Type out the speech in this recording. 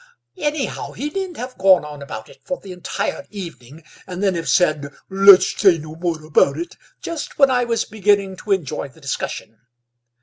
"Anyhow, he needn't have gone on about it for the entire evening and then have said, 'Let's say no more about it' just when I was beginning to enjoy the discussion.